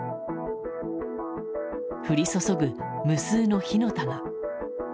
降り注ぐ無数の火の玉。